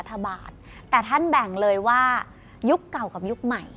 แต่แบ่งเลยว่ายุคเก่ากับยุคใหม่